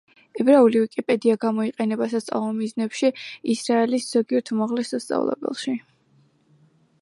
ებრაული ვიკიპედია გამოიყენება სასწავლო მიზნებში ისრაელის ზოგიერთ უმაღლეს სასწავლებელში.